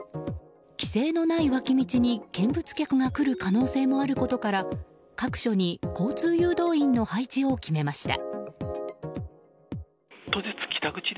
規制のない脇道に見物客が来る可能性もあることから各所に交通誘導員の配置を決めました。